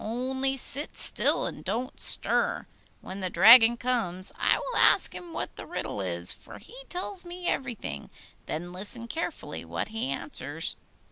Only sit still and don't stir. When the Dragon comes, I will ask him what the riddle is, for he tells me everything; then listen carefully what he answers.